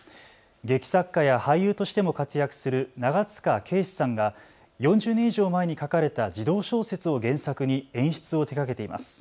劇作家や俳優としても活躍する長塚圭史さんが４０年以上前に描かれた児童小説を原作に演出を手がけています。